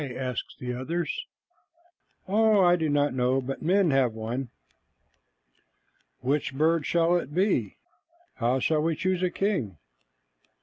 asked the others. "Oh, I do not know, but men have one." "Which bird shall it be? How shall we choose a king?"